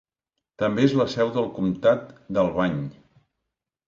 També és la seu del Comtat d'Albany.